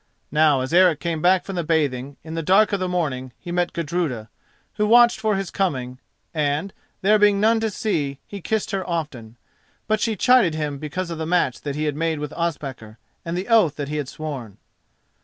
Now as Eric came back from bathing, in the dark of the morning, he met Gudruda, who watched for his coming, and, there being none to see, he kissed her often; but she chided him because of the match that he had made with Ospakar and the oath that he had sworn.